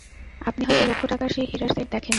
আপনি হয়তো লক্ষ টাকার সেই হীরার সেট দেখেননি?